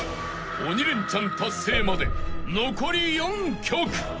［鬼レンチャン達成まで残り４曲］